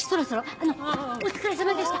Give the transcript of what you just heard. あのお疲れさまでした。